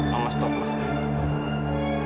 mama stop mah